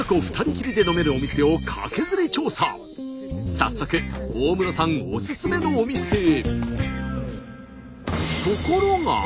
早速大室さんおすすめのお店へ。